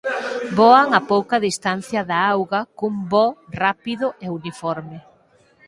Voan a pouca distancia da auga cun voo rápido e uniforme.